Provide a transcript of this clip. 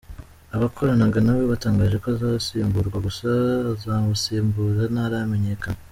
Abakoranaga nawe batangaje ko azasimburwa gusa uzamusimbura ntaramenyekanya.